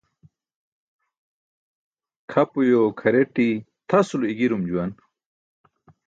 Kʰapuyo kʰareṭi̇ tʰasulo i̇girum juwan.